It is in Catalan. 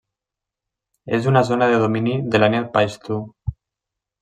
És una zona de domini de l'ètnia paixtu.